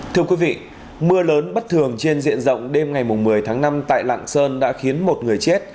thưa quý vị mưa lớn bất thường trên diện rộng đêm ngày một mươi tháng năm tại lạng sơn đã khiến một người chết